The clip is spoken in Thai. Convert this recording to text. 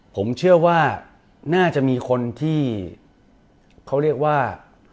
ผมเชื่อว่าน่าจะมีคนที่เขาเรียกว่า